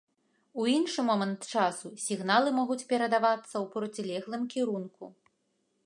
У іншы момант часу сігналы могуць перадавацца ў процілеглым кірунку.